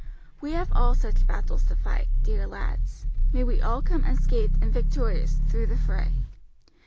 We have all such battles to fight, dear lads; may we all come unscathed and victorious through the fray!